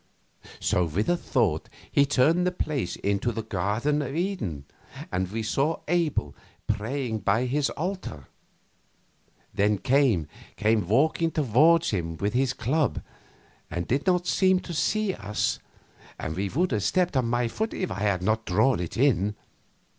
So, with a thought, he turned the place into the Garden of Eden, and we saw Abel praying by his altar; then Cain came walking toward him with his club, and did not seem to see us, and would have stepped on my foot if I had not drawn it in.